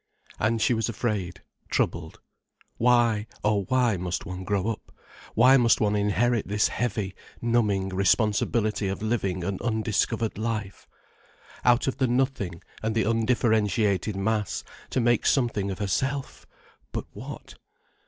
And she was afraid, troubled. Why, oh why must one grow up, why must one inherit this heavy, numbing responsibility of living an undiscovered life? Out of the nothingness and the undifferentiated mass, to make something of herself! But what?